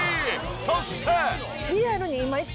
そして。